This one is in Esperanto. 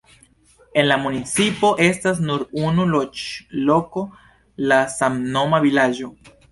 En la municipo estas nur unu loĝloko, la samnoma vilaĝo.